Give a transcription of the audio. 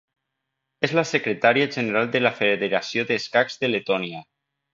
És la Secretària General de la Federació d'Escacs de Letònia.